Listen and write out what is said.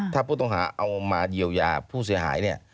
ถ้าผู้ต้องหาเอามาเยียวยาผู้เสียหายเนี่ย